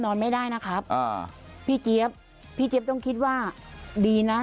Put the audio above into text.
นอนไม่ได้นะครับอ่าพี่เจี๊ยบพี่เจี๊ยบต้องคิดว่าดีนะ